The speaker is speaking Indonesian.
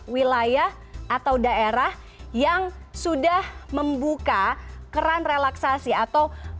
wilayah atau daerah yang sudah membuka keran relaksasi atau